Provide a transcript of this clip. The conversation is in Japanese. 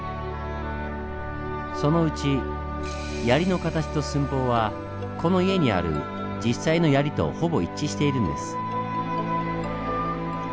そのうち槍の形と寸法はこの家にある実際の槍とほぼ一致しているんです。